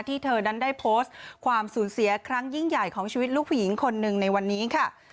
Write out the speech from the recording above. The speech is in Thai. เธอนั้นได้โพสต์ความสูญเสียครั้งยิ่งใหญ่ของชีวิตลูกผู้หญิงคนหนึ่งในวันนี้ค่ะ